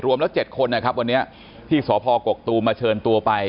รวมละเจ็ดคนนะครับวันนี้ที่สอพอกกตูมาเชิญตัวไป